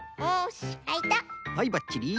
はいばっちり。